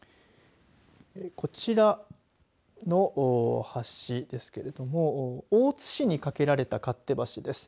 こちらの橋ですけれども大津市に架けられた勝手橋です。